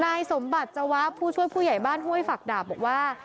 นายสมบัติจวะผู้ช่วยผู้ใหญ่บ้านห้วยฝักดาบบอกว่า